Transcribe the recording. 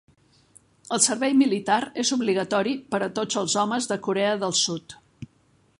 El servei militar és obligatori per a tots els homes de Corea del Sud.